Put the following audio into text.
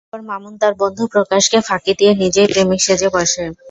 এরপর মামুন তার বন্ধু প্রকাশকে ফাঁকি দিয়ে নিজেই প্রেমিক সেজে বসে।